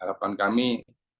harapan kami yang pasti